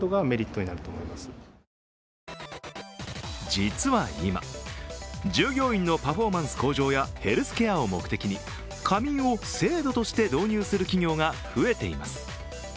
実は今、従業員のパフォーマンス向上やヘルスケアを目的に仮眠を制度として導入する企業が増えています